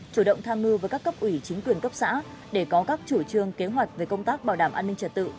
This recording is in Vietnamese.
chủ động tham mưu với các cấp ủy chính quyền cấp xã để có các chủ trương kế hoạch về công tác bảo đảm an ninh trật tự